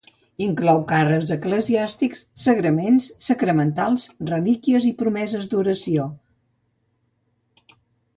Inclou càrrecs eclesiàstics, sagraments, sacramentals, relíquies i promeses d'oració.